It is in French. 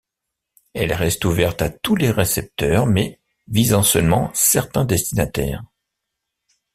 Elle reste ouverte à tous les récepteurs, mais visant seulement certains destinataires.